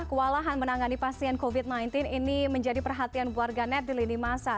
kewalahan menangani pasien covid sembilan belas ini menjadi perhatian warga net di lini masa